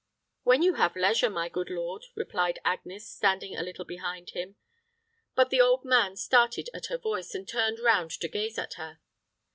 "When you have leisure, my good lord," replied Agnes, standing a little behind him. But the old man started at her voice, and turned round to gaze at her.